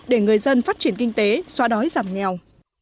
để người dân phát triển kinh tế xóa đói giảm nghèo